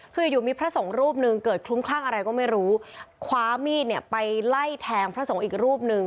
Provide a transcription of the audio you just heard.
คืออยู่อยู่มีพระสงฆ์รูปหนึ่งเกิดคลุ้มคลั่งอะไรก็ไม่รู้คว้ามีดเนี่ยไปไล่แทงพระสงฆ์อีกรูปหนึ่ง